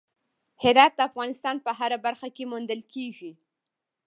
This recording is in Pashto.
هرات د افغانستان په هره برخه کې موندل کېږي.